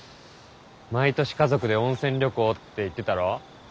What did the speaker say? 「毎年家族で温泉旅行」って言ってたろ？